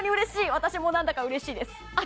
私も何だかうれしいです。